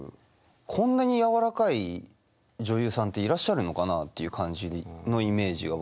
こんなにやわらかい女優さんっていらっしゃるのかなっていう感じのイメージが僕はあって。